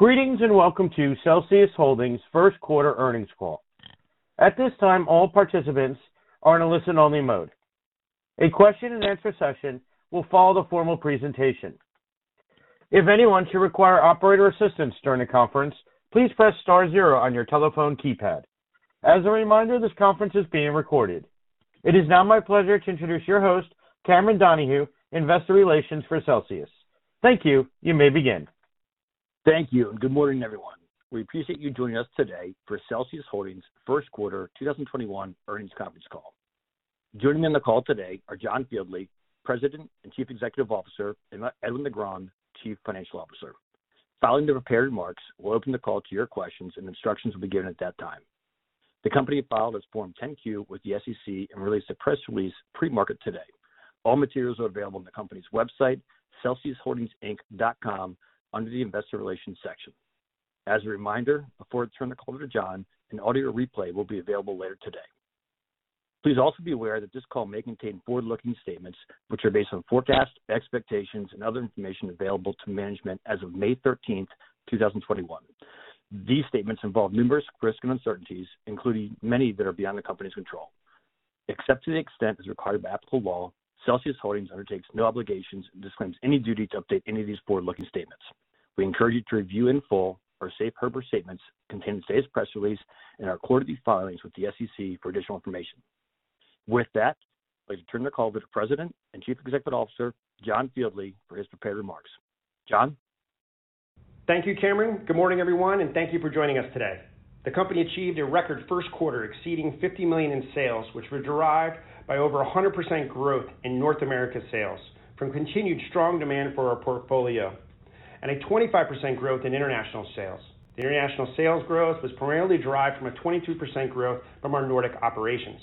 Greetings and welcome to Celsius Holdings' first quarter earnings call. At this time, all participants are in a listen-only mode. A question-and-answer session will follow the formal presentation. If anyone should require operator assistance during the conference, please press star zero on your telephone keypad. As a reminder, this conference is being recorded. It is now my pleasure to introduce your host, Cameron Donahue, Investor Relations for Celsius. Thank you. You may begin. Thank you. Good morning, everyone. We appreciate you joining us today for Celsius Holdings' first quarter 2021 earnings conference call. Joining on the call today are John Fieldly, President and Chief Executive Officer, and Edwin Negron-Carballo, Chief Financial Officer. Following the prepared remarks, we'll open the call to your questions, and instructions will be given at that time. The company filed its Form 10-Q with the SEC and released a press release pre-market today. All materials are available on the company's website, celsiusholdingsinc.com, under the investor relations section. As a reminder, before I turn the call over to John, an audio replay will be available later today. Please also be aware that this call may contain forward-looking statements which are based on forecasts, expectations, and other information available to management as of May 13th, 2021. These statements involve numerous risks and uncertainties, including many that are beyond the company's control. Except to the extent as required by applicable law, Celsius Holdings undertakes no obligations and disclaims any duty to update any of these forward-looking statements. We encourage you to review in full our safe harbor statements contained in today's press release and our quarterly filings with the SEC for additional information. With that, I'd like to turn the call to the President and Chief Executive Officer, John Fieldly, for his prepared remarks. John? Thank you, Cameron. Good morning, everyone, and thank you for joining us today. The company achieved a record first quarter exceeding $50 million in sales, which were derived by over 100% growth in North America sales from continued strong demand for our portfolio and a 25% growth in international sales. The international sales growth was primarily derived from a 22% growth from our Nordic operations.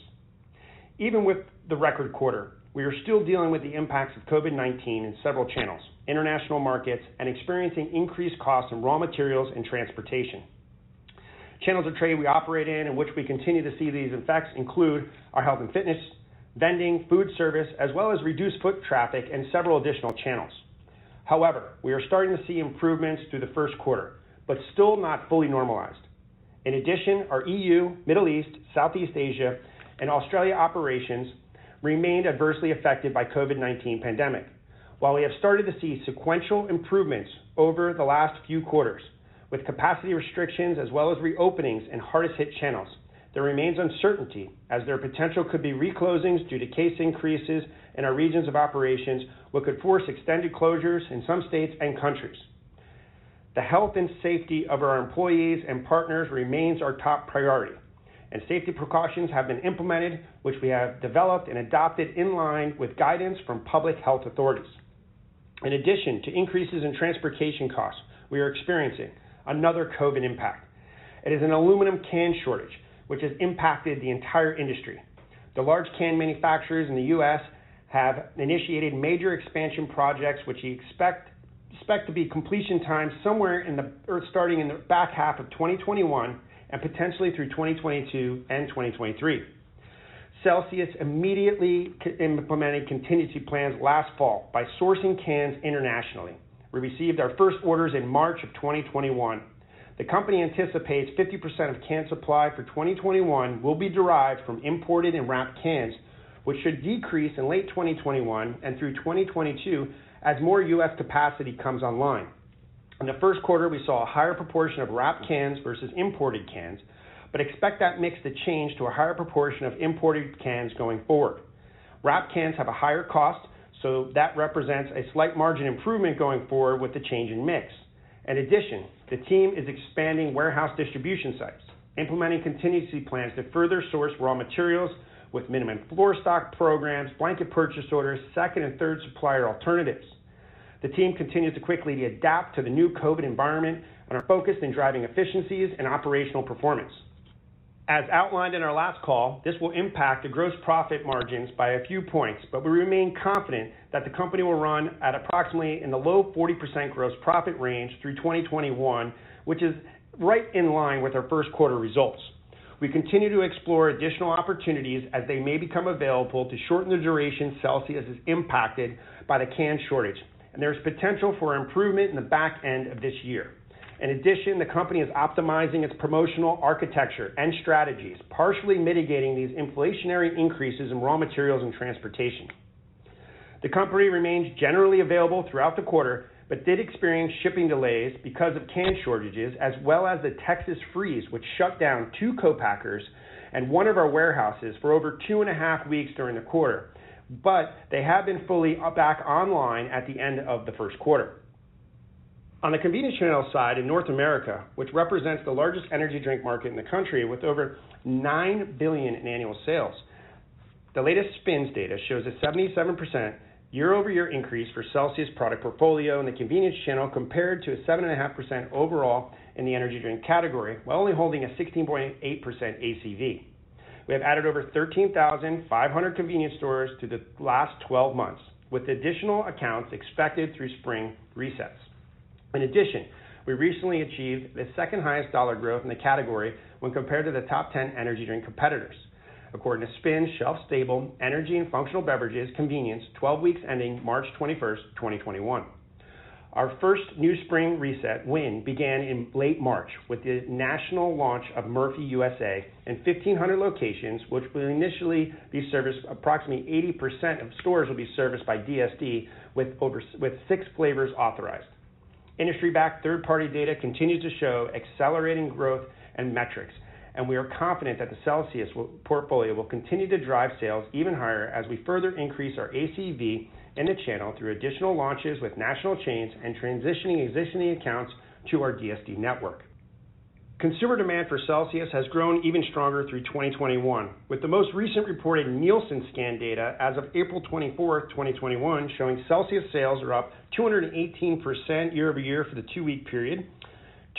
Even with the record quarter, we are still dealing with the impacts of COVID-19 in several channels, international markets, and experiencing increased costs in raw materials and transportation. Channels of trade we operate in which we continue to see these effects include our health and fitness, vending, food service, as well as reduced foot traffic and several additional channels. However, we are starting to see improvements through the first quarter, but still not fully normalized. In addition, our EU, Middle East, Southeast Asia, and Australia operations remained adversely affected by COVID-19 pandemic. While we have started to see sequential improvements over the last few quarters with capacity restrictions as well as reopenings in hardest hit channels, there remains uncertainty as there potentially could be reclosings due to case increases in our regions of operations, which could force extended closures in some states and countries. The health and safety of our employees and partners remains our top priority, and safety precautions have been implemented, which we have developed and adopted in line with guidance from public health authorities. In addition to increases in transportation costs, we are experiencing another COVID impact. It is an aluminum can shortage, which has impacted the entire industry. The large can manufacturers in the U.S. have initiated major expansion projects, which we expect to be completion time somewhere starting in the back half of 2021 and potentially through 2022 and 2023. Celsius immediately implemented contingency plans last fall by sourcing cans internationally. We received our first orders in March of 2021. The company anticipates 50% of can supply for 2021 will be derived from imported and wrapped cans, which should decrease in late 2021 and through 2022 as more U.S. capacity comes online. In the first quarter, we saw a higher proportion of wrapped cans versus imported cans. Expect that mix to change to a higher proportion of imported cans going forward. Wrapped cans have a higher cost. That represents a slight margin improvement going forward with the change in mix. In addition, the team is expanding warehouse distribution sites, implementing contingency plans to further source raw materials with minimum floor stock programs, blanket purchase orders, second and third supplier alternatives. The team continues to quickly adapt to the new COVID environment and are focused on driving efficiencies and operational performance. As outlined in our last call, this will impact the gross profit margins by a few points, but we remain confident that the company will run at approximately in the low 40% gross profit range through 2021, which is right in line with our first quarter results. We continue to explore additional opportunities as they may become available to shorten the duration Celsius is impacted by the can shortage, and there is potential for improvement in the back end of this year. In addition, the company is optimizing its promotional architecture and strategies, partially mitigating these inflationary increases in raw materials and transportation. The company remained generally available throughout the quarter, did experience shipping delays because of can shortages, as well as the Texas freeze, which shut down two co-packers and one of our warehouses for over two and a half weeks during the quarter. They have been fully back online at the end of the first quarter. On the convenience channel side in North America, which represents the largest energy drink market in the country with over $9 billion in annual sales, the latest SPINS data shows a 77% year-over-year increase for Celsius' product portfolio in the convenience channel, compared to a 7.5% overall in the energy drink category, while only holding a 16.8% ACV. We have added over 13,500 convenience stores to the last 12 months, with additional accounts expected through spring resets. In addition, we recently achieved the second highest dollar growth in the category when compared to the top 10 energy drink competitors. According to SPINS shelf-stable energy and functional beverages convenience, 12 weeks ending March 21st, 2021. Our first new spring reset win began in late March with the national launch of Murphy USA in 1,500 locations, approximately 80% of stores will be serviced by DSD, with six flavors authorized. Industry-backed third-party data continues to show accelerating growth and metrics. We are confident that the Celsius portfolio will continue to drive sales even higher as we further increase our ACV in the channel through additional launches with national chains and transitioning existing accounts to our DSD network. Consumer demand for Celsius has grown even stronger through 2021, with the most recent reported Nielsen scan data as of April 24th, 2021, showing Celsius sales are up 218% year-over-year for the two-week period,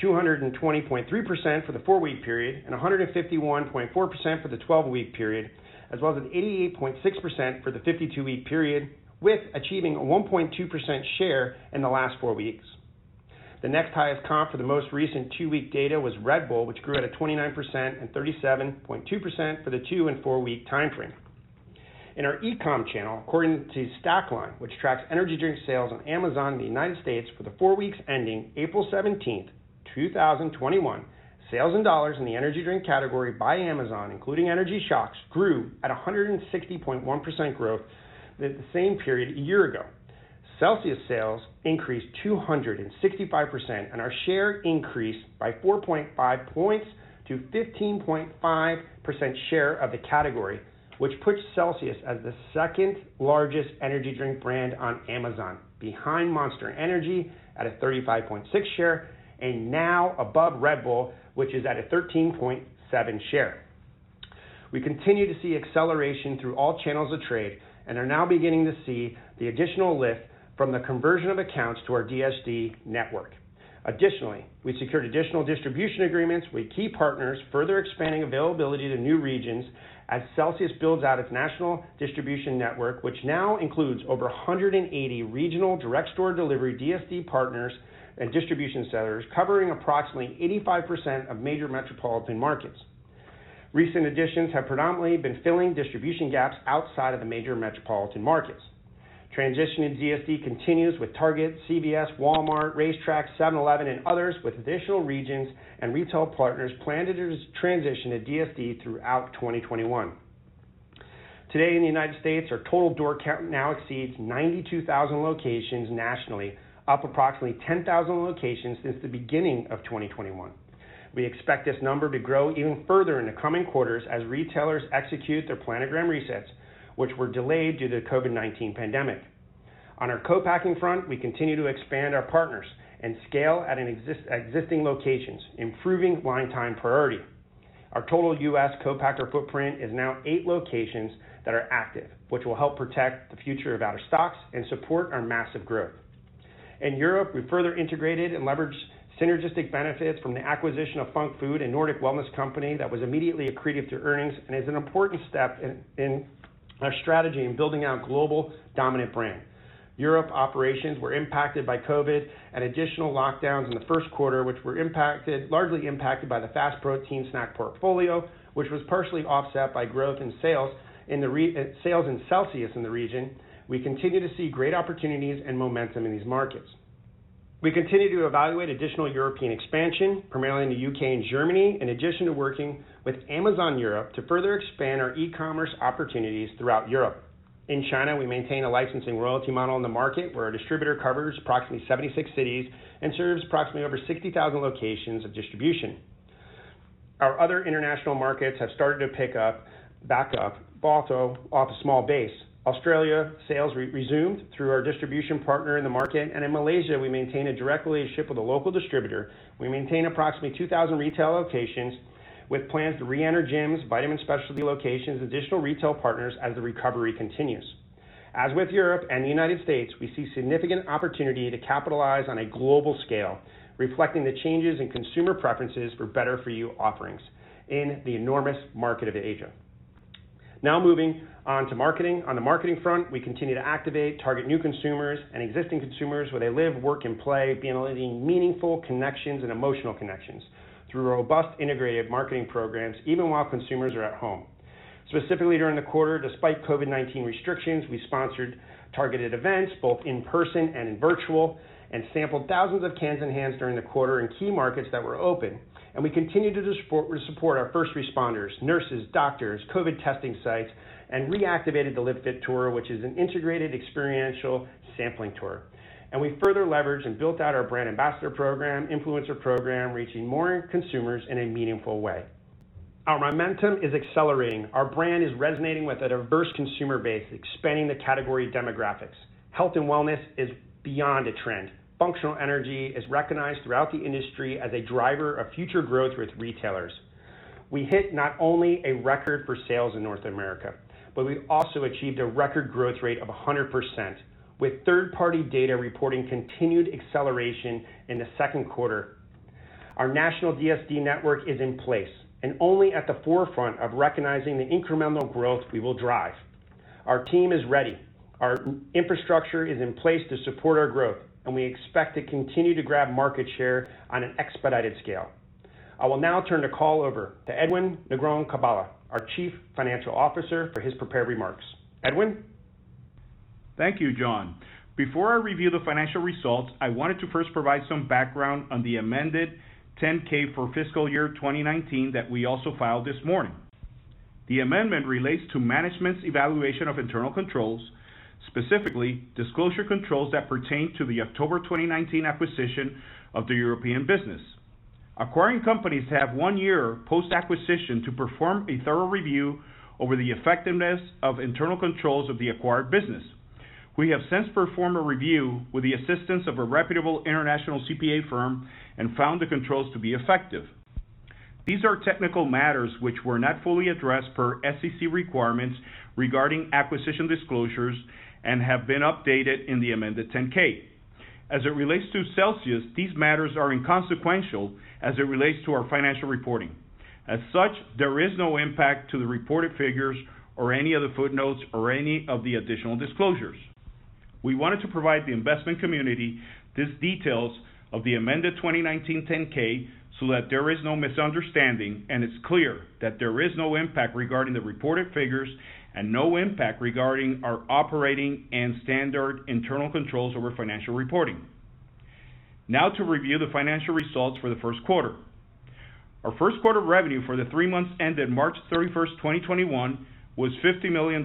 220.3% for the four-week period, and 151.4% for the 12-week period, as well as an 88.6% for the 52-week period, with achieving a 1.2% share in the last four weeks. The next highest comp for the most recent two-week data was Red Bull, which grew at a 29% and 37.2% for the two and four-week timeframe. In our e-com channel, according to Stackline, which tracks energy drink sales on Amazon in the United States for the four weeks ending April 17th, 2021, sales in dollars in the energy drink category by Amazon, including energy shots, grew at 160.1% growth the same period a year ago. Celsius sales increased 265% and our share increased by 4.5 points to 15.5% share of the category, which puts Celsius as the second largest energy drink brand on Amazon, behind Monster Energy at a 35.6% share and now above Red Bull, which is at a 13.7% share. We continue to see acceleration through all channels of trade and are now beginning to see the additional lift from the conversion of accounts to our DSD network. Additionally, we secured additional distribution agreements with key partners, further expanding availability to new regions as Celsius builds out its national distribution network, which now includes over 180 regional direct store delivery DSD partners and distribution centers covering approximately 85% of major metropolitan markets. Recent additions have predominantly been filling distribution gaps outside of the major metropolitan markets. Transitioning DSD continues with Target, CVS, Walmart, RaceTrac, 7-Eleven and others, with additional regions and retail partners planning to transition to DSD throughout 2021. Today in the United States, our total door count now exceeds 92,000 locations nationally, up approximately 10,000 locations since the beginning of 2021. We expect this number to grow even further in the coming quarters as retailers execute their planogram resets, which were delayed due to the COVID-19 pandemic. On our co-packing front, we continue to expand our partners and scale at existing locations, improving line time priority. Our total U.S. co-packer footprint is now eight locations that are active, which will help protect the future of our stocks and support our massive growth. In Europe, we further integrated and leveraged synergistic benefits from the acquisition of Func Food, a Nordic wellness company that was immediately accretive to earnings and is an important step in our strategy in building out a global dominant brand. Europe operations were impacted by COVID and additional lockdowns in the first quarter, which were largely impacted by the FAST protein snack portfolio, which was partially offset by growth in sales and Celsius in the region. We continue to see great opportunities and momentum in these markets. We continue to evaluate additional European expansion, primarily in the U.K. and Germany, in addition to working with Amazon Europe to further expand our e-commerce opportunities throughout Europe. In China, we maintain a licensing royalty model in the market where our distributor covers approximately 76 cities and serves approximately over 60,000 locations of distribution. Our other international markets have started to pick back up off a small base. Australia sales resumed through our distribution partner in the market, and in Malaysia, we maintain a direct relationship with a local distributor. We maintain approximately 2,000 retail locations with plans to re-enter gyms, vitamin specialty locations, additional retail partners as the recovery continues. As with Europe and the United States, we see significant opportunity to capitalize on a global scale, reflecting the changes in consumer preferences for better for you offerings in the enormous market of Asia. Now moving on to marketing. On the marketing front, we continue to activate, target new consumers and existing consumers where they live, work and play, building meaningful connections and emotional connections through robust integrated marketing programs even while consumers are at home. Specifically during the quarter, despite COVID-19 restrictions, we sponsored targeted events both in person and in virtual, and sampled thousands of cans and hands during the quarter in key markets that were open, and we continued to support our first responders, nurses, doctors, COVID-19 testing sites, and reactivated the Live Fit Tour, which is an integrated experiential sampling tour. We further leveraged and built out our brand ambassador program, influencer program, reaching more consumers in a meaningful way. Our momentum is accelerating. Our brand is resonating with a diverse consumer base, expanding the category demographics. Health and wellness is beyond a trend. Functional energy is recognized throughout the industry as a driver of future growth with retailers. We hit not only a record for sales in North America, but we also achieved a record growth rate of 100%, with third-party data reporting continued acceleration in the second quarter. Our national DSD network is in place and only at the forefront of recognizing the incremental growth we will drive. Our team is ready. Our infrastructure is in place to support our growth, and we expect to continue to grab market share on an expedited scale. I will now turn the call over to Edwin Negron-Carballo, our Chief Financial Officer, for his prepared remarks. Edwin? Thank you, John. Before I review the financial results, I wanted to first provide some background on the amended 10-K for fiscal year 2019 that we also filed this morning. The amendment relates to management's evaluation of internal controls, specifically disclosure controls that pertain to the October 2019 acquisition of the European business. Acquiring companies have one year post-acquisition to perform a thorough review over the effectiveness of internal controls of the acquired business. We have since performed a review with the assistance of a reputable international CPA firm and found the controls to be effective. These are technical matters which were not fully addressed per SEC requirements regarding acquisition disclosures and have been updated in the amended 10-K. As it relates to Celsius, these matters are inconsequential as it relates to our financial reporting. As such, there is no impact to the reported figures or any of the footnotes or any of the additional disclosures. We wanted to provide the investment community these details of the amended 2019 10-K so that there is no misunderstanding. It's clear that there is no impact regarding the reported figures and no impact regarding our operating and standard internal controls over financial reporting. Now to review the financial results for the first quarter. Our first quarter revenue for the three months ended March 31st, 2021 was $50 million,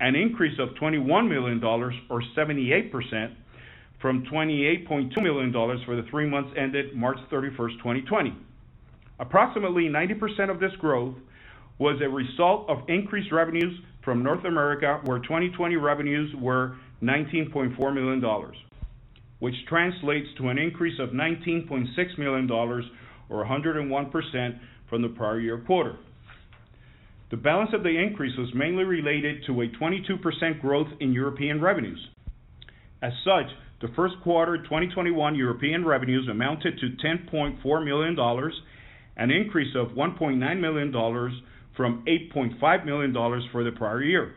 an increase of $21 million or 78% from $28.2 million for the three months ended March 31st, 2020. Approximately 90% of this growth was a result of increased revenues from North America, where 2020 revenues were $19.4 million, which translates to an increase of $19.6 million or 101% from the prior year quarter. The balance of the increase was mainly related to a 22% growth in European revenues. The first quarter 2021 European revenues amounted to $10.4 million, an increase of $1.9 million from $8.5 million for the prior year.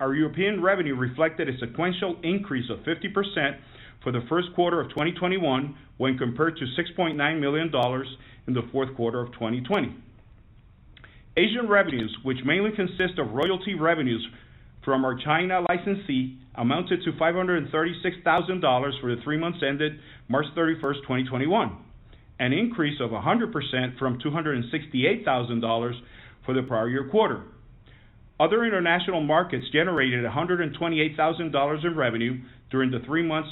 Our European revenue reflected a sequential increase of 50% for the first quarter of 2021 when compared to $6.9 million in the fourth quarter of 2020. Asian revenues, which mainly consist of royalty revenues from our China licensee, amounted to $536,000 for the three months ended March 31st, 2021, an increase of 100% from $268,000 for the prior year quarter. Other international markets generated $128,000 in revenue during the three months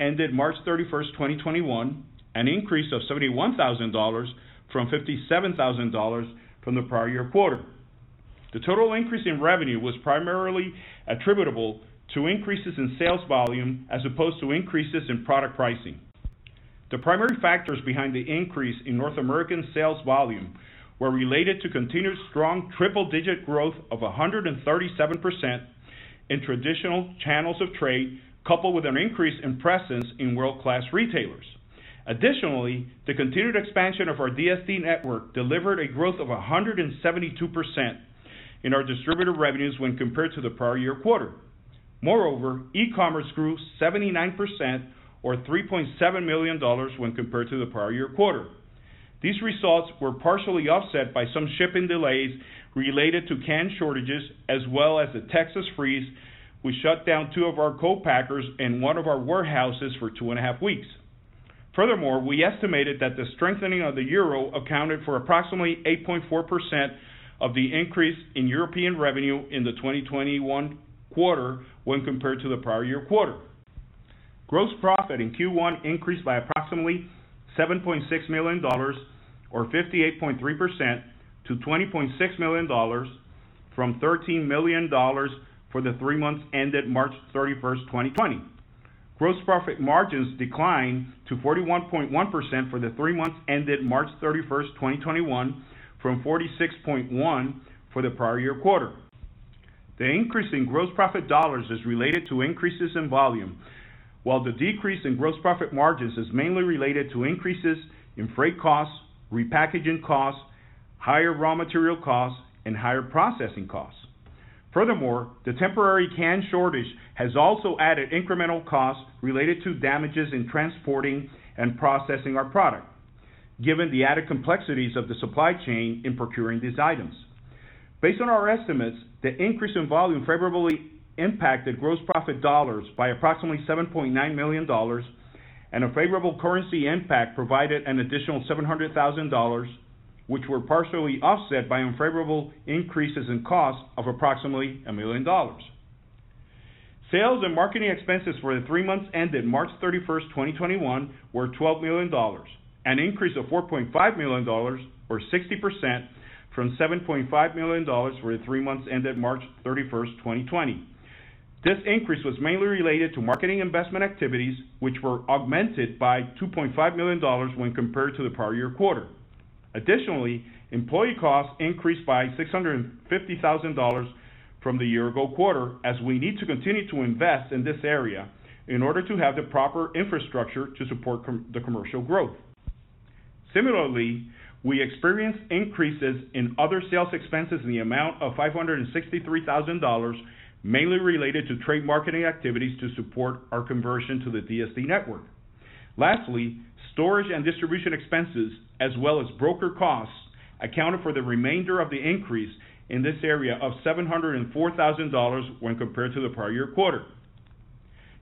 ended March 31st, 2021, an increase of $71,000 from $57,000 from the prior year quarter. The total increase in revenue was primarily attributable to increases in sales volume as opposed to increases in product pricing. The primary factors behind the increase in North American sales volume were related to continued strong triple-digit growth of 137% in traditional channels of trade, coupled with an increase in presence in world-class retailers. Additionally, the continued expansion of our DSD network delivered a growth of 172% in our distributor revenues when compared to the prior year quarter. Moreover, e-commerce grew 79% or $3.7 million when compared to the prior year quarter. These results were partially offset by some shipping delays related to can shortages as well as the Texas freeze, we shut down two of our co-packers and one of our warehouses for two and a half weeks. Furthermore, we estimated that the strengthening of the euro accounted for approximately 8.4% of the increase in European revenue in the 2021 quarter when compared to the prior year quarter. Gross profit in Q1 increased by approximately $7.6 million or 58.3% to $20.6 million from $13 million for the three months ended March 31st, 2020. Gross profit margins declined to 41.1% for the three months ended March 31st, 2021 from 46.1% for the prior year quarter. The increase in gross profit dollars is related to increases in volume, while the decrease in gross profit margins is mainly related to increases in freight costs, repackaging costs, higher raw material costs, and higher processing costs. Furthermore, the temporary can shortage has also added incremental costs related to damages in transporting and processing our product given the added complexities of the supply chain in procuring these items. Based on our estimates, the increase in volume favorably impacted gross profit dollars by approximately $7.9 million and a favorable currency impact provided an additional $700,000 which were partially offset by unfavorable increases in costs of approximately $1 million. Sales and marketing expenses for the three months ended March 31st, 2021 were $12 million, an increase of $4.5 million or 60% from $7.5 million for the three months ended March 31st, 2020. This increase was mainly related to marketing investment activities which were augmented by $2.5 million when compared to the prior year quarter. Employee costs increased by $650,000 from the year ago quarter as we need to continue to invest in this area in order to have the proper infrastructure to support the commercial growth. We experienced increases in other sales expenses in the amount of $563,000, mainly related to trade marketing activities to support our conversion to the DSD network. Storage and distribution expenses as well as broker costs accounted for the remainder of the increase in this area of $704,000 when compared to the prior year quarter.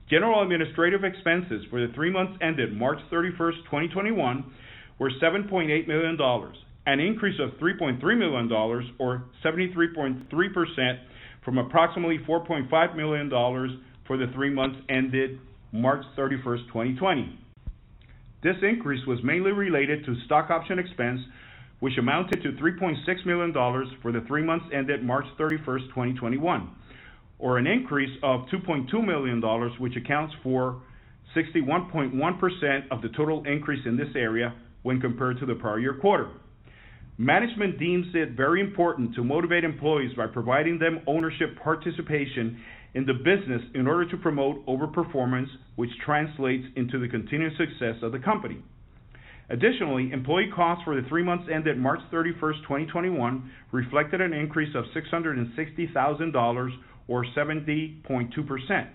General administrative expenses for the three months ended March 31st, 2021 were $7.8 million, an increase of $3.3 million or 73.3% from approximately $4.5 million for the three months ended March 31st, 2020. This increase was mainly related to stock option expense, which amounted to $3.6 million for the three months ended March 31st, 2021, or an increase of $2.2 million, which accounts for 61.1% of the total increase in this area when compared to the prior year quarter. Management deems it very important to motivate employees by providing them ownership participation in the business in order to promote over-performance, which translates into the continued success of the company. Additionally, employee costs for the three months ended March 31, 2021 reflected an increase of $660,000, or 70.2%,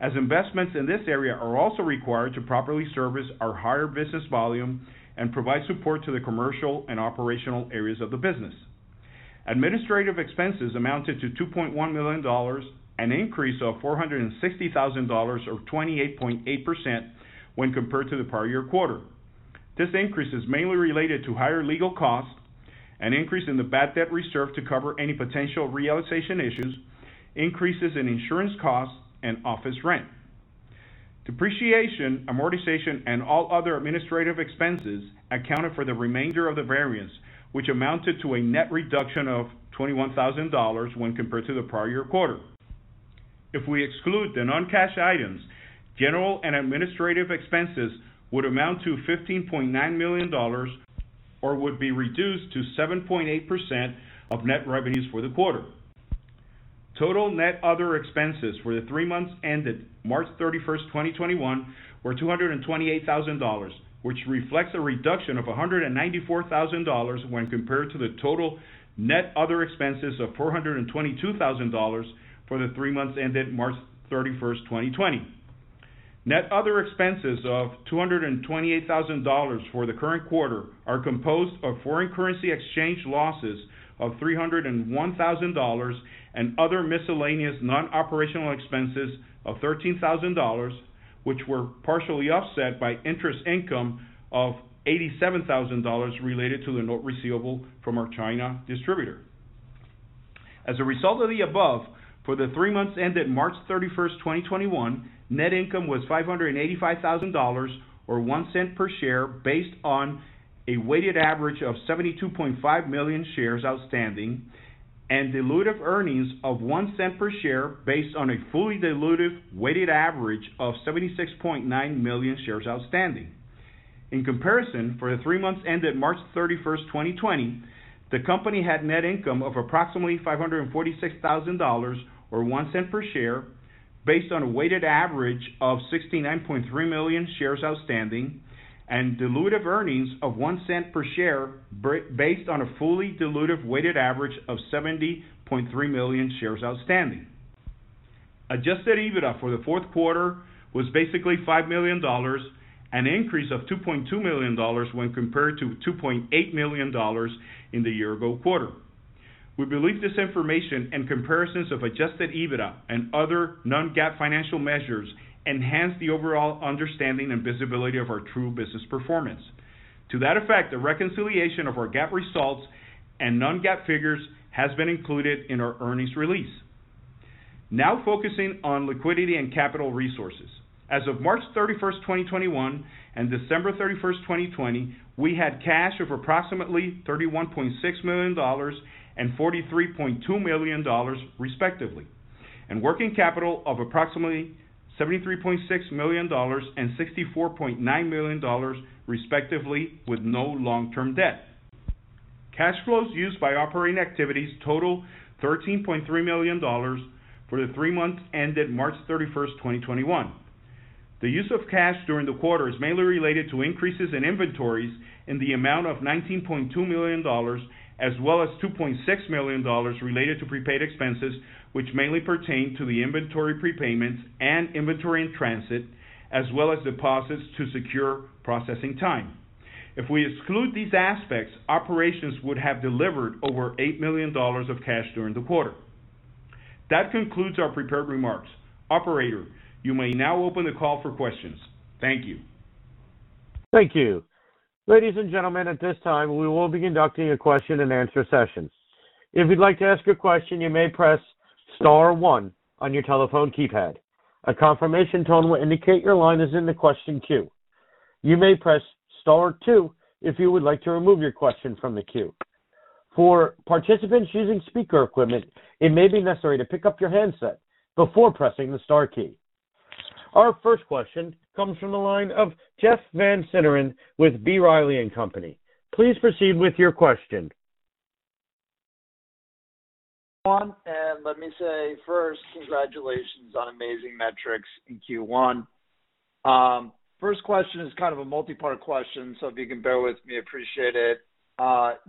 as investments in this area are also required to properly service our higher business volume and provide support to the commercial and operational areas of the business. Administrative expenses amounted to $2.1 million, an increase of $460,000, or 28.8%, when compared to the prior year quarter. This increase is mainly related to higher legal costs, an increase in the bad debt reserve to cover any potential realization issues, increases in insurance costs, and office rent. Depreciation, amortization, and all other administrative expenses accounted for the remainder of the variance, which amounted to a net reduction of $21,000 when compared to the prior year quarter. If we exclude the non-cash items, general and administrative expenses would amount to $15.9 million or would be reduced to 7.8% of net revenues for the quarter. Total net other expenses for the three months ended March 31st, 2021 were $228,000, which reflects a reduction of $194,000 when compared to the total net other expenses of $422,000 for the three months ended March 31st, 2020. Net other expenses of $228,000 for the current quarter are composed of foreign currency exchange losses of $301,000 and other miscellaneous non-operational expenses of $13,000, which were partially offset by interest income of $87,000 related to the note receivable from our China distributor. As a result of the above, for the three months ended March 31st, 2021, net income was $585,000, or $0.01 per share, based on a weighted average of 72.5 million shares outstanding and dilutive earnings of $0.01 per share based on a fully dilutive weighted average of 76.9 million shares outstanding. In comparison, for the three months ended March 31st, 2020, the company had net income of approximately $546,000, or $0.01 per share based on a weighted average of 69.3 million shares outstanding and dilutive earnings of $0.01 per share based on a fully dilutive weighted average of 70.3 million shares outstanding. Adjusted EBITDA for the fourth quarter was basically $5 million, an increase of $2.2 million when compared to $2.8 million in the year-ago quarter. We believe this information and comparisons of adjusted EBITDA and other non-GAAP financial measures enhance the overall understanding and visibility of our true business performance. To that effect, a reconciliation of our GAAP results and non-GAAP figures has been included in our earnings release. Now focusing on liquidity and capital resources. As of March 31st, 2021 and December 31st, 2020, we had cash of approximately $31.6 million and $43.2 million respectively, and working capital of approximately $73.6 million and $64.9 million respectively with no long-term debt. Cash flows used by operating activities total $13.3 million for the three months ended March 31st, 2021. The use of cash during the quarter is mainly related to increases in inventories in the amount of $19.2 million, as well as $2.6 million related to prepaid expenses, which mainly pertain to the inventory prepayments and inventory in transit, as well as deposits to secure processing time. If we exclude these aspects, operations would have delivered over $8 million of cash during the quarter. That concludes our prepared remarks. Operator, you may now open the call for questions. Thank you. Thank you. Ladies and gentlemen, at this time, we will be conducting a question-and-answer session. If you'd like to ask a question, you may press star one on your telephone keypad. A confirmation tone will indicate your line is in the question queue. You may press star two if you would like to remove your question from the queue. For participants using speaker equipment, it may be necessary to pick up your handset before pressing the star key. Our first question comes from the line of Jeff Van Sinderen with B. Riley & Company. Please proceed with your question. Let me say first, congratulations on amazing metrics in Q1. First question is kind of a multi-part question, if you can bear with me, appreciate it.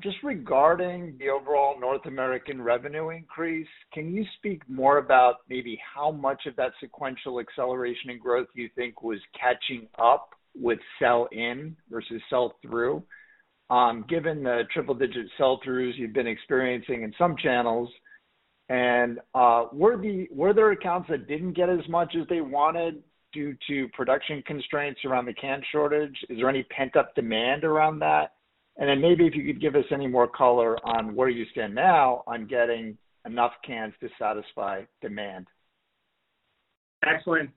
Just regarding the overall North American revenue increase, can you speak more about maybe how much of that sequential acceleration and growth you think was catching up with sell-in versus sell-through, given the triple-digit sell-throughs you've been experiencing in some channels? Were there accounts that didn't get as much as they wanted due to production constraints around the can shortage? Is there any pent-up demand around that? Maybe if you could give us any more color on where you stand now on getting enough cans to satisfy demand. Excellent.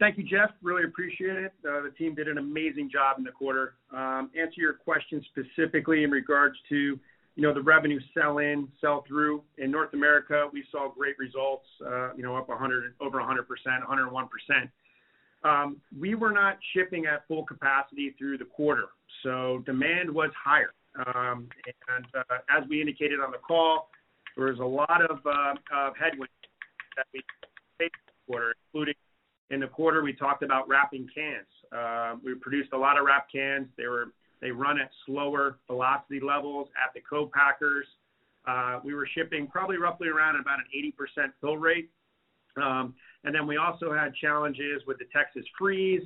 Thank you, Jeff. Really appreciate it. The team did an amazing job in the quarter. Answer your question specifically in regards to the revenue sell-in, sell-through. In North America, we saw great results up 101%. We were not shipping at full capacity through the quarter, so demand was higher. As we indicated on the call, there was a lot of headwinds that we faced including in the quarter, we talked about wrapping cans. We produced a lot of wrapped cans. They run at slower velocity levels at the co-packers. We were shipping probably roughly around about an 80% fill rate. We also had challenges with the Texas freeze.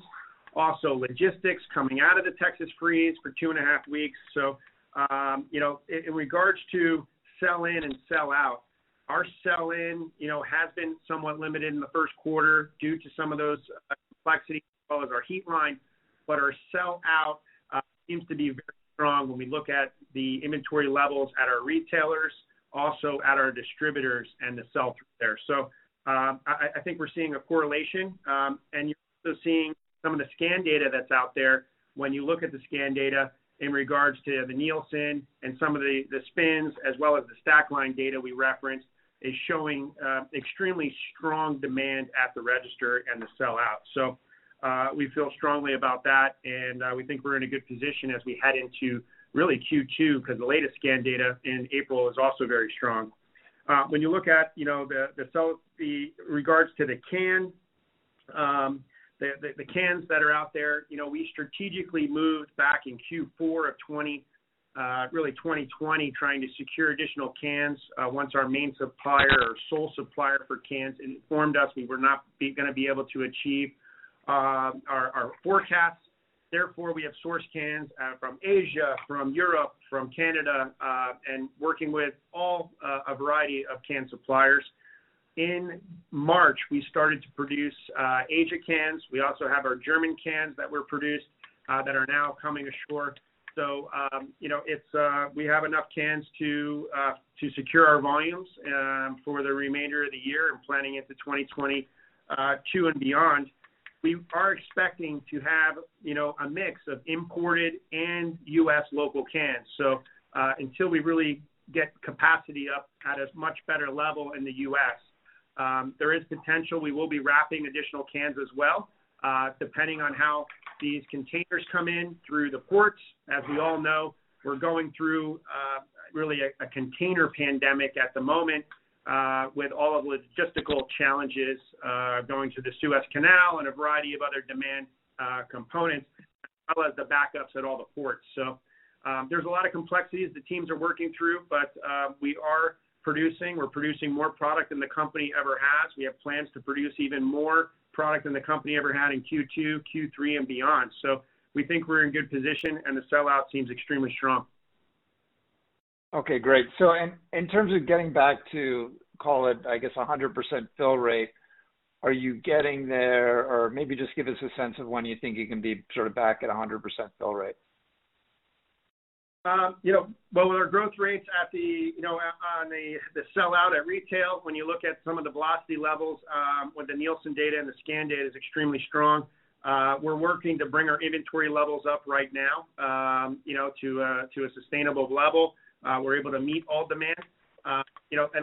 Also logistics coming out of the Texas freeze for two and a half weeks. In regards to sell-in and sell-out, our sell-in has been somewhat limited in the first quarter due to some of those complexities as well as our CELSIUS HEAT line, but our sell-out seems to be very strong when we look at the inventory levels at our retailers, also at our distributors and the sell-through there. I think we're seeing a correlation, and you're also seeing some of the scan data that's out there. When you look at the scan data in regards to the Nielsen and some of the SPINS as well as the Stackline data we referenced, is showing extremely strong demand at the register and the sell-out. We feel strongly about that, and we think we're in a good position as we head into really Q2, because the latest scan data in April is also very strong. When you look at the regards to the can, the cans that are out there, we strategically moved back in Q4 of 2020, trying to secure additional cans once our main supplier or sole supplier for cans informed us we were not going to be able to achieve our forecasts. Therefore, we have sourced cans from Asia, from Europe, from Canada, and working with a variety of can suppliers. In March, we started to produce Asia cans. We also have our German cans that were produced, that are now coming ashore. We have enough cans to secure our volumes for the remainder of the year and planning into 2022 and beyond. We are expecting to have a mix of imported and U.S. local cans. Until we really get capacity up at a much better level in the U.S., there is potential we will be wrapping additional cans as well, depending on how these containers come in through the ports. We all know, we're going through really a container pandemic at the moment, with all the logistical challenges of going to the Suez Canal and a variety of other demand components, as well as the backups at all the ports. There's a lot of complexities the teams are working through, but we are producing. We're producing more product than the company ever has. We have plans to produce even more product than the company ever had in Q2, Q3, and beyond. We think we're in good position, and the sell-out seems extremely strong. Okay, great. In terms of getting back to, call it, I guess, 100% fill rate, are you getting there? Maybe just give us a sense of when you think you can be sort of back at 100% fill rate? Well, with our growth rates on the sell-out at retail, when you look at some of the velocity levels with the Nielsen data and the scan data is extremely strong. We're working to bring our inventory levels up right now to a sustainable level. We're able to meet all demand.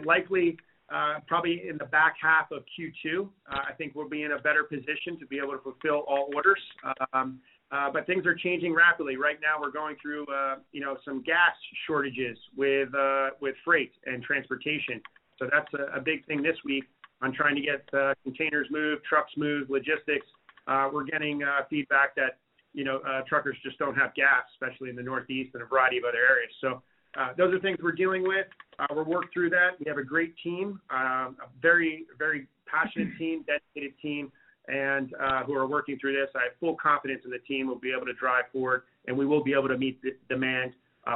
Likely, probably in the back half of Q2, I think we'll be in a better position to be able to fulfill all orders. Things are changing rapidly. Right now, we're going through some gas shortages with freight and transportation. That's a big thing this week on trying to get containers moved, trucks moved, logistics. We're getting feedback that truckers just don't have gas, especially in the Northeast and a variety of other areas. Those are things we're dealing with. We'll work through that. We have a great team, a very passionate team, dedicated team, and who are working through this. I have full confidence in the team will be able to drive forward, and we will be able to meet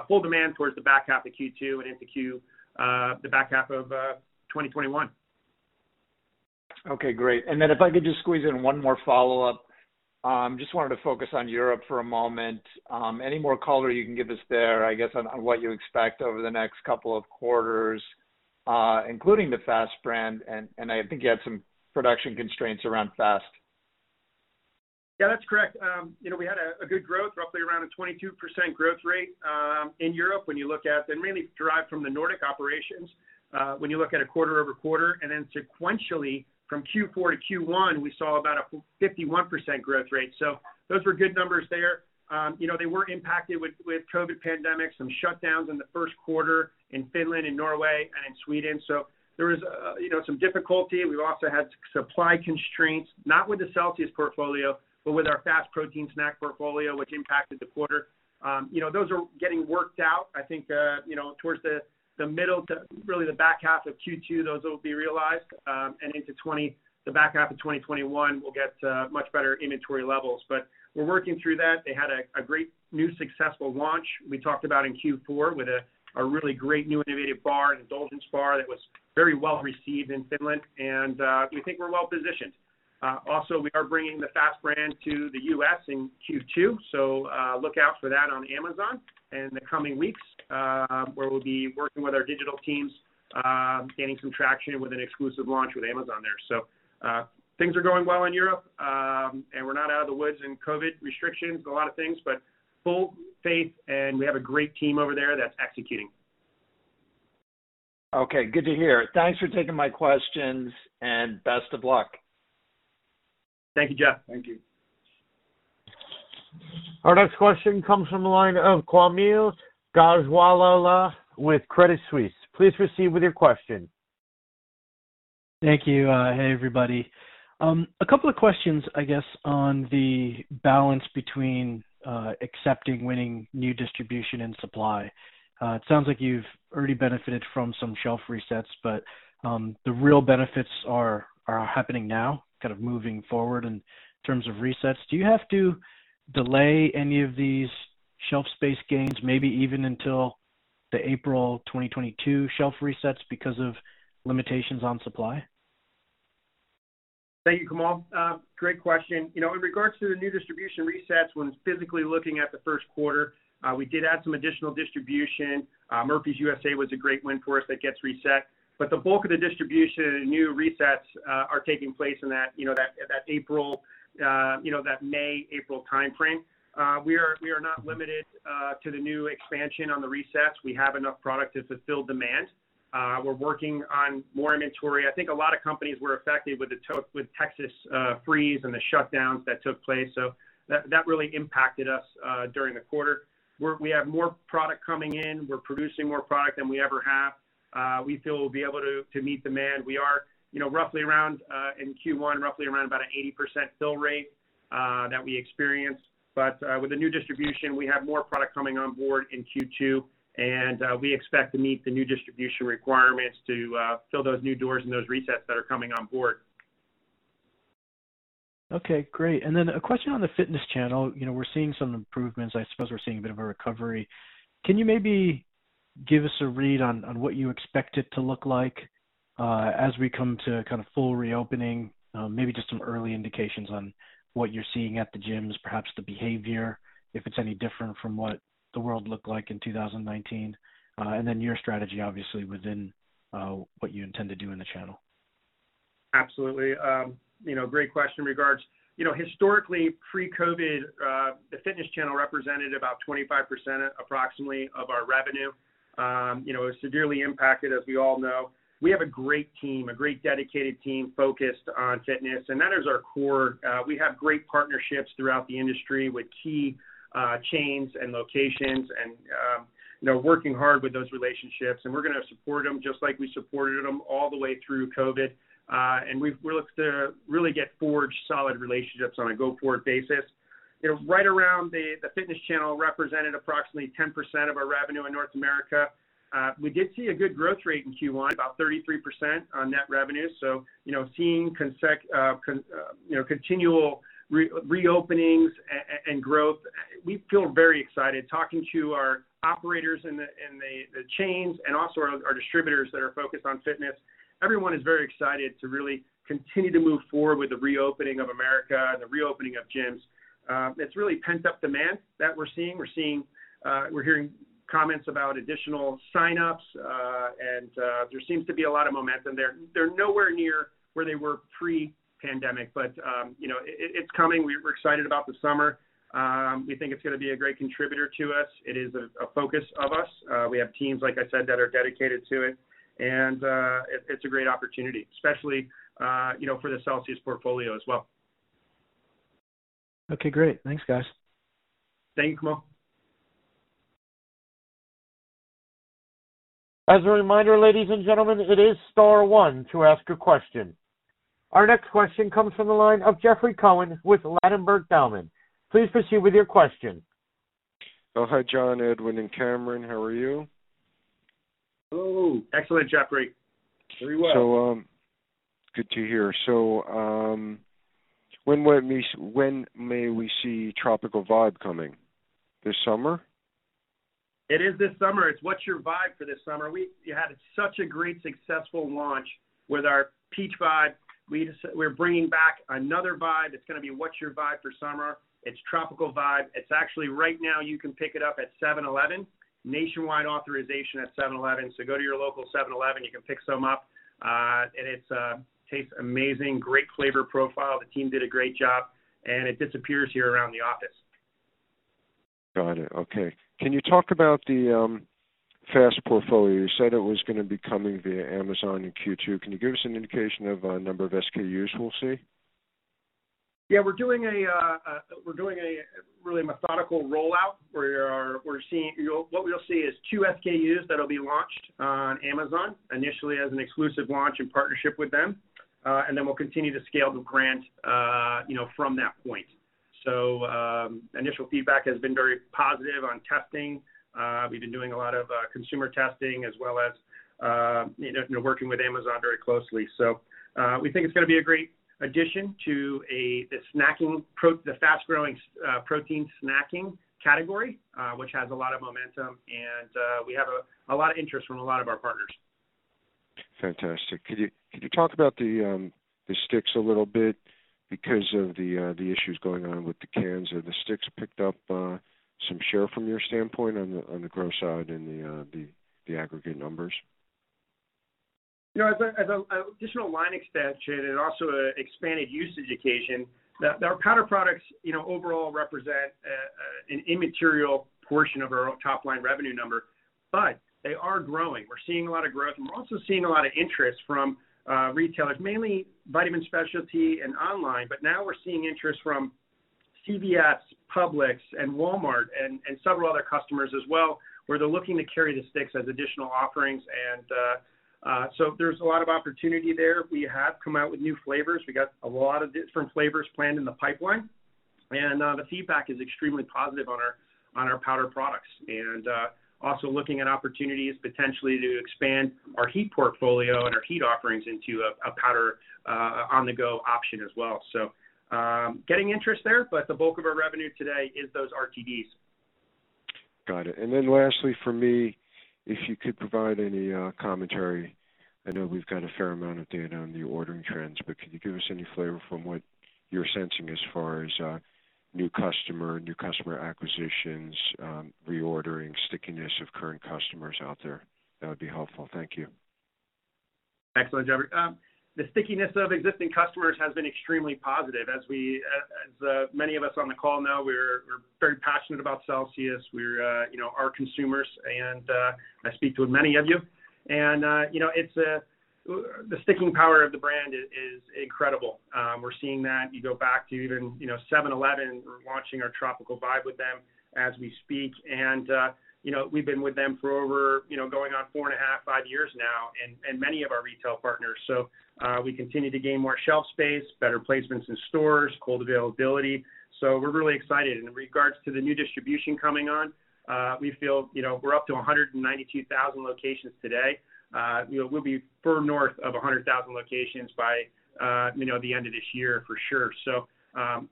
full demand towards the back half of Q2 and into the back half of 2021. Okay, great. If I could just squeeze in one more follow-up. Just wanted to focus on Europe for a moment. Any more color you can give us there, I guess, on what you expect over the next couple of quarters, including the FAST brand, and I think you had some production constraints around FAST. Yeah, that's correct. We had a good growth, roughly around a 22% growth rate in Europe when you look at. Really derived from the Nordic operations, when you look at a quarter-over-quarter. Then sequentially, from Q4 to Q1, we saw about a 51% growth rate. Those were good numbers there. They were impacted with COVID-19 pandemic, some shutdowns in the first quarter in Finland and Norway and in Sweden. There was some difficulty. We also had supply constraints, not with the Celsius portfolio, but with our FAST protein snack portfolio, which impacted the quarter. Those are getting worked out. I think towards the middle to really the back half of Q2, those will be realized, and into the back half of 2021, we'll get much better inventory levels. We're working through that. They had a great new successful launch we talked about in Q4 with a really great new innovative bar, an indulgence bar, that was very well-received in Finland, and we think we're well-positioned. Also, we are bringing the FAST brand to the U.S. in Q2, so look out for that on Amazon in the coming weeks, where we'll be working with our digital teams, gaining some traction with an exclusive launch with Amazon there. Things are going well in Europe. We're not out of the woods in COVID restrictions, a lot of things, but full faith, and we have a great team over there that's executing. Okay, good to hear. Thanks for taking my questions, and best of luck. Thank you, Jeff. Thank you. Our next question comes from the line of Kaumil Gajrawala with Credit Suisse. Please proceed with your question. Thank you. Hey, everybody. A couple of questions, I guess, on the balance between accepting winning new distribution and supply. It sounds like you've already benefited from some shelf resets, but the real benefits are happening now, kind of moving forward in terms of resets. Do you have to delay any of these shelf space gains, maybe even until the April 2022 shelf resets because of limitations on supply? Thank you, Kaumil. Great question. In regards to the new distribution resets, when physically looking at the first quarter, we did add some additional distribution. Murphy USA was a great win for us that gets reset. The bulk of the distribution and new resets are taking place in that May, April timeframe. We are not limited to the new expansion on the resets. We have enough product to fulfill demand. We're working on more inventory. I think a lot of companies were affected with the Texas freeze and the shutdowns that took place, that really impacted us during the quarter. We have more product coming in. We're producing more product than we ever have. We feel we'll be able to meet demand. We are in Q1, roughly around about an 80% fill rate that we experienced. With the new distribution, we have more product coming on board in Q2, and we expect to meet the new distribution requirements to fill those new doors and those resets that are coming on board. Okay, great. A question on the fitness channel. We're seeing some improvements. I suppose we're seeing a bit of a recovery. Can you maybe give us a read on what you expect it to look like as we come to full reopening? Maybe just some early indications on what you're seeing at the gyms, perhaps the behavior, if it's any different from what the world looked like in 2019. Your strategy, obviously, within what you intend to do in the channel. Absolutely. Great question in regards. Historically, pre-COVID, the fitness channel represented about 25% approximately of our revenue. It was severely impacted, as we all know. We have a great team, a great dedicated team focused on fitness, and that is our core. We have great partnerships throughout the industry with key chains and locations and working hard with those relationships, and we're going to support them just like we supported them all the way through COVID. We look to really get forged, solid relationships on a go-forward basis. Right around the fitness channel represented approximately 10% of our revenue in North America. We did see a good growth rate in Q1, about 33% on net revenue. Seeing continual reopenings and growth, we feel very excited talking to our operators in the chains and also our distributors that are focused on fitness. Everyone is very excited to really continue to move forward with the reopening of America and the reopening of gyms. It's really pent-up demand that we're seeing. We're hearing comments about additional sign-ups, and there seems to be a lot of momentum there. They're nowhere near where they were pre-pandemic. It's coming. We're excited about the summer. We think it's going to be a great contributor to us. It is a focus of us. We have teams, like I said, that are dedicated to it. It's a great opportunity, especially for the Celsius portfolio as well. Okay, great. Thanks, guys. Thank you, Kaumil. As a reminder, ladies and gentlemen, it is star one to ask a question. Our next question comes from the line of Jeffrey Cohen with Ladenburg Thalmann. Please proceed with your question. Oh, hi, John, Edwin, and Cameron. How are you? Hello. Excellent, Jeffrey. Very well. Good to hear. When may we see Tropical Vibe coming? This summer? It is this summer. It's What's Your Vibe for this summer. We had such a great successful launch with our Peach Vibe. We're bringing back another vibe. It's going to be What's Your Vibe for summer. It's Tropical Vibe. It's actually right now you can pick it up at 7-Eleven. Nationwide authorization at 7-Eleven. Go to your local 7-Eleven, you can pick some up. It tastes amazing, great flavor profile. The team did a great job. It disappears here around the office. Got it. Okay. Can you talk about the FAST portfolio? You said it was going to be coming via Amazon in Q2. Can you give us an indication of a number of SKUs we'll see? Yeah, we're doing a really methodical rollout. We'll see is two SKUs that'll be launched on Amazon, initially as an exclusive launch in partnership with them. We'll continue to scale from that point. Initial feedback has been very positive on testing. We've been doing a lot of consumer testing as well as working with Amazon very closely. We think it's going to be a great addition to the fast-growing protein snacking category, which has a lot of momentum and we have a lot of interest from a lot of our partners. Fantastic. Could you talk about the sticks a little bit? Of the issues going on with the cans, have the sticks picked up some share from your standpoint on the growth side and the aggregate numbers? As an additional line extension and also an expanded usage occasion, our powder products overall represent an immaterial portion of our top-line revenue number, but they are growing. We're seeing a lot of growth, and we're also seeing a lot of interest from retailers, mainly vitamin specialty and online. Now we're seeing interest from CVS, Publix, and Walmart, and several other customers as well, where they're looking to carry the sticks as additional offerings. There's a lot of opportunity there. We have come out with new flavors. We got a lot of different flavors planned in the pipeline, and the feedback is extremely positive on our powder products. Also looking at opportunities potentially to expand our HEAT portfolio and our HEAT offerings into a powder on-the-go option as well. Getting interest there, but the bulk of our revenue today is those RTDs. Got it. Lastly from me, if you could provide any commentary. I know we've got a fair amount of data on the ordering trends, but can you give us any flavor from what you're sensing as far as new customer acquisitions, reordering, stickiness of current customers out there? That would be helpful. Thank you. Excellent, Jeffrey. The stickiness of existing customers has been extremely positive. As many of us on the call know, we're very passionate about Celsius. We're our consumers, and I speak to many of you. The sticking power of the brand is incredible. We're seeing that. You go back to even 7-Eleven, we're launching our Tropical Vibe with them as we speak. We've been with them for over going on four and a half, five years now, and many of our retail partners. We continue to gain more shelf space, better placements in stores, cold availability. We're really excited. In regards to the new distribution coming on, we feel we're up to 192,000 locations today. We'll be firm north of 100,000 locations by the end of this year, for sure.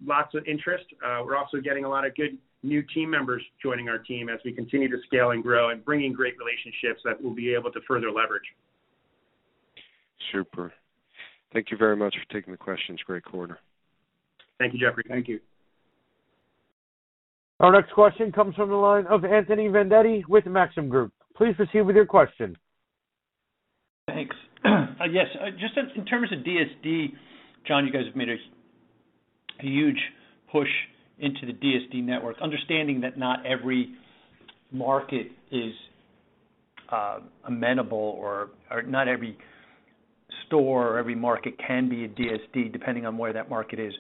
Lots of interest. We're also getting a lot of good new team members joining our team as we continue to scale and grow and bring in great relationships that we'll be able to further leverage. Super. Thank you very much for taking the questions. Great quarter. Thank you, Jeffrey. Thank you. Our next question comes from the line of Anthony Vendetti with Maxim Group. Please proceed with your question. Thanks. Yes. Just in terms of DSD, John, you guys have made a huge push into the DSD network. Understanding that not every market is amenable, or not every store or every market can be a DSD, depending on where that market is.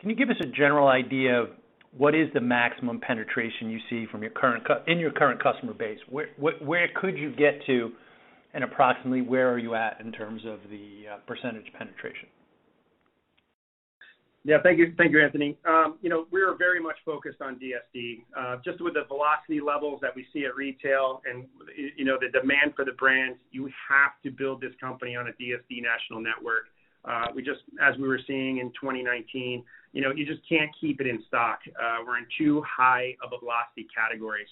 Can you give us a general idea of what is the maximum penetration you see in your current customer base? Where could you get to, and approximately where are you at in terms of the percentage penetration? Yeah. Thank you, Anthony. We are very much focused on DSD. Just with the velocity levels that we see at retail and the demand for the brands, you have to build this company on a DSD national network. As we were seeing in 2019, you just can't keep it in stock. We're in too high of a velocity category.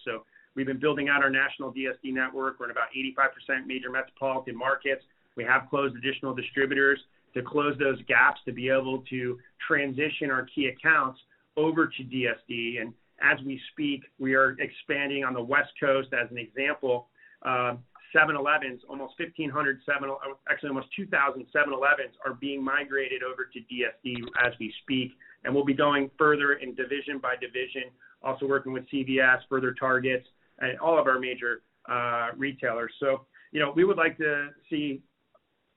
We've been building out our national DSD network. We're in about 85% major metropolitan markets. We have closed additional distributors to close those gaps to be able to transition our key accounts over to DSD. As we speak, we are expanding on the West Coast, as an example. 7-Eleven, almost 2,000 7-Eleven are being migrated over to DSD as we speak. We'll be going further in division by division, also working with CVS, further Target, and all of our major retailers. We would like to see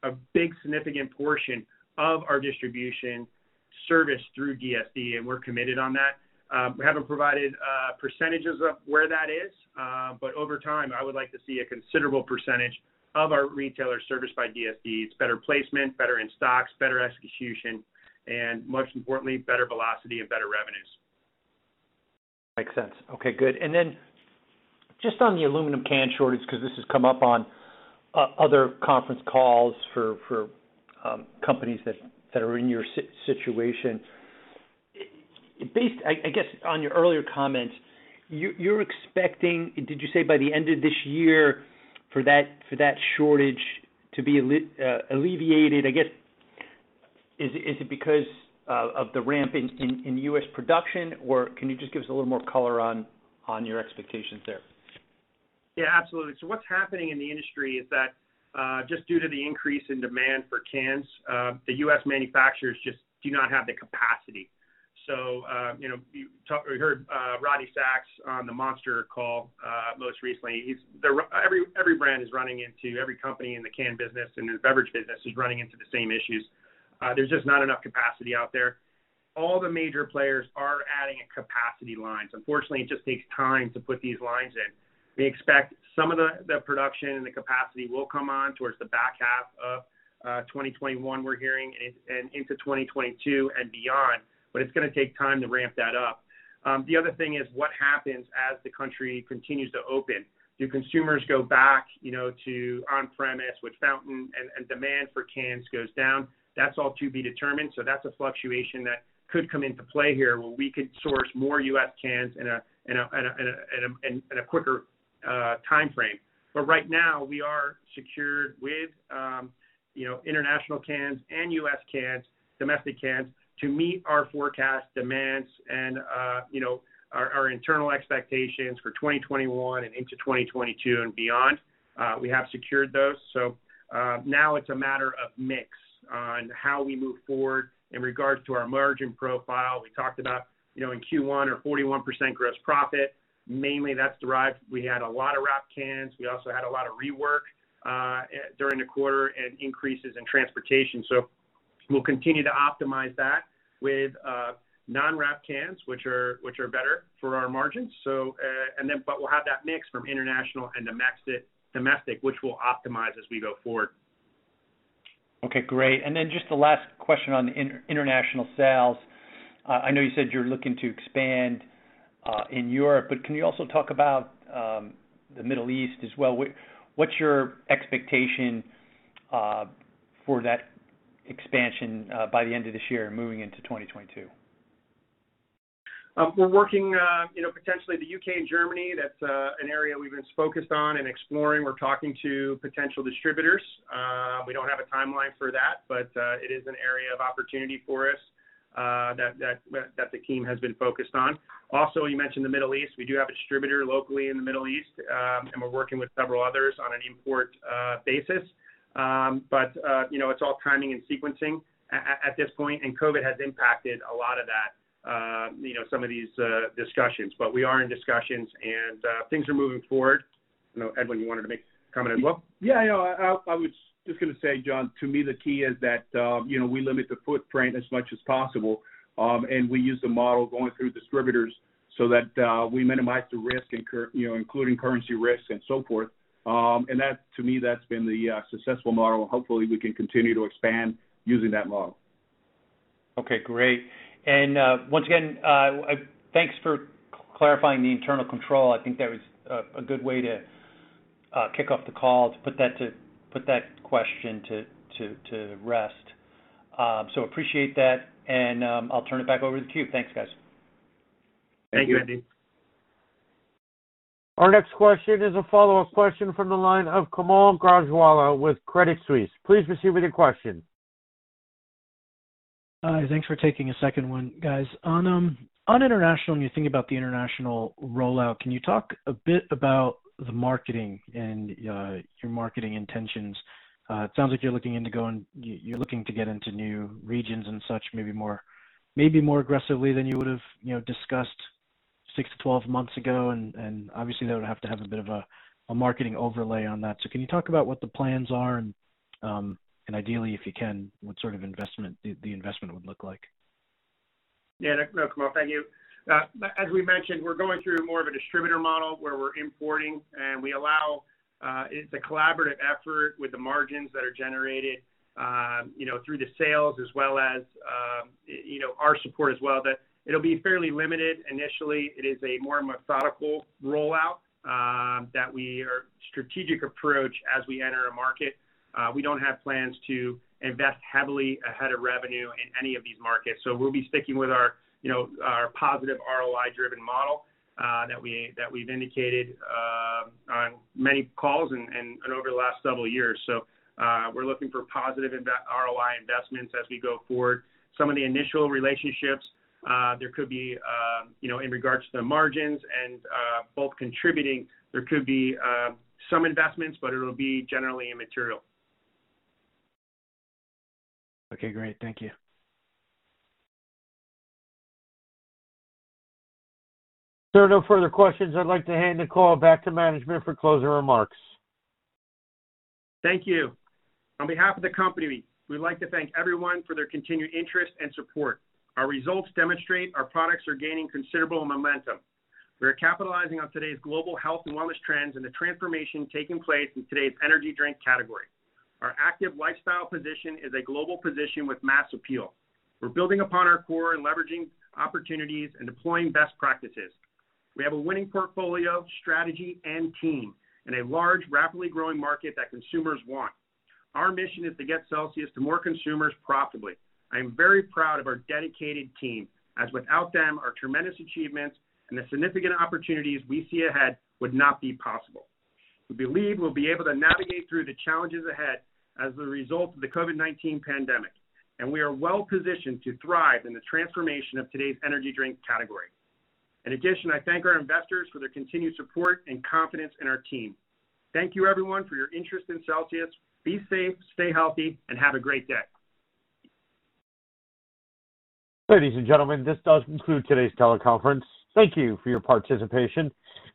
a big significant portion of our distribution serviced through DSD, and we're committed on that. We haven't provided percentages of where that is. Over time, I would like to see a considerable percentage of our retailers serviced by DSD. It's better placement, better in stocks, better execution, and most importantly, better velocity and better revenues. Makes sense. Okay, good. Just on the aluminum can shortage, because this has come up on other conference calls for companies that are in your situation. I guess on your earlier comment, you're expecting, did you say by the end of this year for that shortage to be alleviated? I guess, is it because of the ramp in U.S. production, or can you just give us a little more color on your expectations there? Yeah, absolutely. What's happening in the industry is that just due to the increase in demand for cans, the U.S. manufacturers just do not have the capacity. You heard Rodney Sacks on the Monster call, most recently. Every brand is running into every company in the can business, and the beverage business is running into the same issues. There's just not enough capacity out there. All the major players are adding capacity lines. Unfortunately, it just takes time to put these lines in. We expect some of the production and the capacity will come on towards the back half of 2021, we're hearing, and into 2022 and beyond. It's going to take time to ramp that up. The other thing is what happens as the country continues to open. Do consumers go back to on-premise with fountain and demand for cans goes down? That's all to be determined. That's a fluctuation that could come into play here, where we could source more U.S. cans in a quicker timeframe. Right now, we are secured with international cans and U.S. cans, domestic cans, to meet our forecast demands and our internal expectations for 2021 and into 2022 and beyond. We have secured those. Now it's a matter of mix on how we move forward in regards to our margin profile. We talked about in Q1, our 41% gross profit, mainly that's derived. We had a lot of wrapped cans. We also had a lot of rework during the quarter and increases in transportation. We'll continue to optimize that with non-wrapped cans, which are better for our margins. We'll have that mix from international and domestic, which we'll optimize as we go forward. Okay, great. Just the last question on the international sales. I know you said you're looking to expand in Europe, but can you also talk about the Middle East as well? What's your expectation for that expansion by the end of this year and moving into 2022? We're working potentially the U.K. and Germany. That's an area we've been focused on and exploring. We're talking to potential distributors. We don't have a timeline for that, but it is an area of opportunity for us that the team has been focused on. You mentioned the Middle East. We do have a distributor locally in the Middle East, and we're working with several others on an import basis. It's all timing and sequencing at this point. COVID-19 has impacted a lot of that, some of these discussions, but we are in discussions and things are moving forward. I know, Edwin, you wanted to make a comment as well? Yeah. I was just going to say, John, to me, the key is that we limit the footprint as much as possible. We use the model going through distributors so that we minimize the risk, including currency risks and so forth. To me, that's been the successful model. Hopefully, we can continue to expand using that model. Okay, great. Once again, thanks for clarifying the internal control. I think that was a good way to kick off the call to put that question to rest. Appreciate that, and I'll turn it back over to you. Thanks, guys. Thank you, Anthony. Thank you. Our next question is a follow-up question from the line of Kaumil Gajrawala with Credit Suisse. Please proceed with your question. Thanks for taking a second one, guys. On international, when you think about the international rollout, can you talk a bit about the marketing and your marketing intentions? It sounds like you're looking to get into new regions and such, maybe more aggressively than you would have discussed 6-12 months ago, and obviously that would have to have a bit of a marketing overlay on that. Can you talk about what the plans are and, ideally if you can, what sort of the investment would look like? Yeah, Kaumil, thank you. As we mentioned, we're going through more of a distributor model where we're importing, and it's a collaborative effort with the margins that are generated through the sales as well as our support as well. That it'll be fairly limited initially. It is a more methodical rollout that we are strategic approach as we enter a market. We don't have plans to invest heavily ahead of revenue in any of these markets. We'll be sticking with our positive ROI driven model that we've indicated on many calls and over the last several years. We're looking for positive ROI investments as we go forward. Some of the initial relationships, in regards to the margins and both contributing, there could be some investments, but it'll be generally immaterial. Okay, great. Thank you. If there are no further questions, I'd like to hand the call back to management for closing remarks. Thank you. On behalf of the company, we'd like to thank everyone for their continued interest and support. Our results demonstrate our products are gaining considerable momentum. We are capitalizing on today's global health and wellness trends and the transformation taking place in today's energy drink category. Our active lifestyle position is a global position with mass appeal. We're building upon our core and leveraging opportunities and deploying best practices. We have a winning portfolio, strategy, and team, and a large, rapidly growing market that consumers want. Our mission is to get Celsius to more consumers profitably. I am very proud of our dedicated team, as without them, our tremendous achievements and the significant opportunities we see ahead would not be possible. We believe we'll be able to navigate through the challenges ahead as a result of the COVID-19 pandemic, and we are well positioned to thrive in the transformation of today's energy drink category. In addition, I thank our investors for their continued support and confidence in our team. Thank you everyone for your interest in Celsius. Be safe, stay healthy, and have a great day. Ladies and gentlemen, this does conclude today's teleconference. Thank you for your participation.